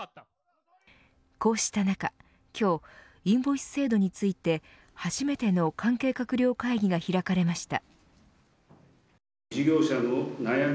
こうした中、今日インボイス制度について初めての関係閣僚会議が開かれました。